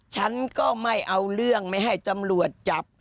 ฉันก็ไม่เอาเรื่องไม่ให้ตำรวจจับ